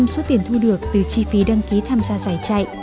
một trăm linh số tiền thu được từ chi phí đăng ký tham gia giải chạy